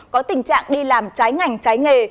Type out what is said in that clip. có tình trạng đi làm trái ngành trái nghề